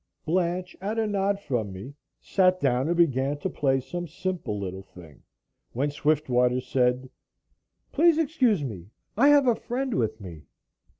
Blanche, at a nod from me, sat down and began to play some simple little thing, when Swiftwater said: "Please excuse me, I have a friend with me."